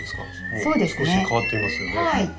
そうですね。も少し変わっていますよね。